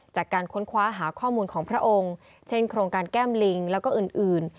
จากการค้นคว้าหาข้อมูลของพระองค์เช่นโครงการแก้มลิงแล้วก็อื่น